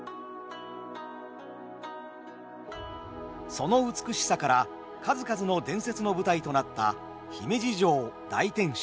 その美しさから数々の伝説の舞台となった姫路城大天守。